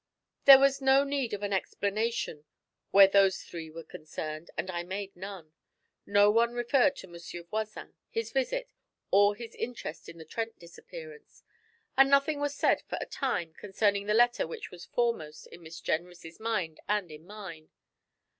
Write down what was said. There was no need of an explanation where those three were concerned, and I made none. No one referred to Monsieur Voisin, his visit, or his interest in the Trent disappearance, and nothing was said for a time concerning the letter which was foremost in Miss Jenrys' mind and in mine.